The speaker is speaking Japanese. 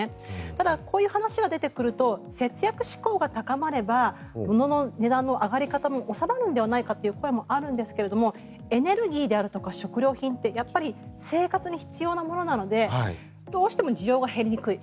ただ、こういう話が出てくると節約志向が高まればものの値段の上がり方も収まるのではないかという声もあるんですがエネルギーであるとか食料品ってやっぱり生活に必要なものなのでどうしても需要が減りにくい。